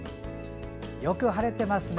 よく晴れてますね。